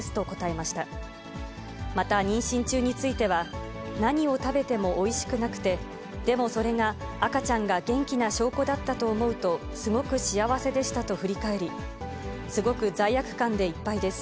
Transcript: また妊娠中については、何を食べてもおいしくなくて、でもそれが赤ちゃんが元気な証拠だったと思うと、すごく幸せでしたと振り返り、すごく罪悪感でいっぱいです。